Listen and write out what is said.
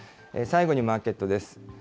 最後にマーケットです。